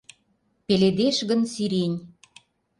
«Пеледеш гын сирень...»